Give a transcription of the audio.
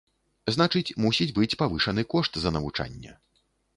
Значыць мусіць быць павышаны кошт за навучанне.